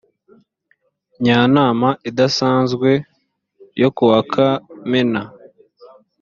njyanama idasanzwe yo ku wa kamena